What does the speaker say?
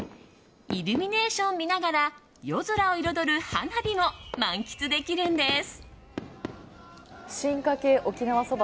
イルミネーションを見ながら夜空を彩る花火も満喫できるんです。